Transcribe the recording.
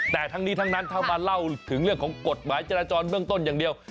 แต่ทั้งนี้ทั้งนั้นถ้ามาเล่าถึงเรื่องของกฎหมายจราจรเบื้องต้นอย่างเดียว